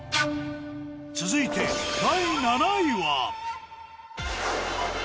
続いて第７位は。